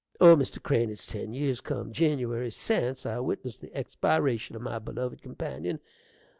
Oh, Mr. Crane, it's ten years come Jinniwary sense I witnessed the expiration o' my belovid companion!